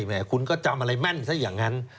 แม่คุณก็จำอะไรแม่นซะอย่างนั้น